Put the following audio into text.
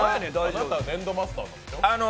あなたは粘土マスターなんでしょう？